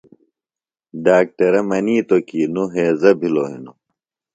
ڈاکٹرہ منِیتوۡ کی نوۡ ہیضہ بِھلو ہِنوۡ۔